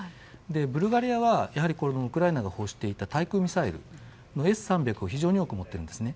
ブルガリアはやはりウクライナが欲していた対空ミサイルをＳ３００を非常に多く持っているんです。